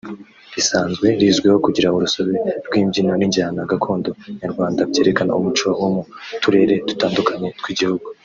risanzwe rizwiho kugira urusobe rw’imbyino n’injyana gakondo Nyarwanda byerekana umuco wo mu turere dutandukanye tw igihugu